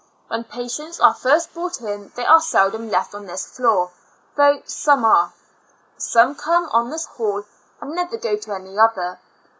When patients are first brought in they are seldom left on this floor, though some are. . Some come on this hall and never go to any other.